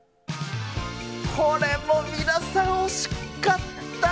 これも皆さん、惜しかった。